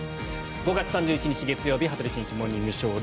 ５月３１日、月曜日「羽鳥慎一モーニングショー」。